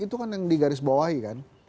itu kan yang di garis bawahi kan